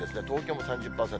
東京も３０％。